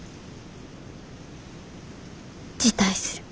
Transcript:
辞退する。